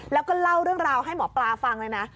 แล้วก็เล่าเรื่องราวให้หมอปลาฟังเลยนะ